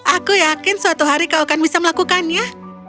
aku yakin suatu hari kau akan bisa melakukannya